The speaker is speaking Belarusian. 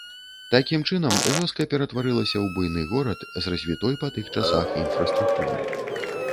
Такім чынам, вёска ператварылася ў буйны горад, з развітой па тых часах інфраструктурай.